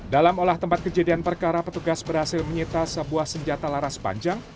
dalam olah tempat kejadian perkara petugas berhasil menyita sebuah senjata laras panjang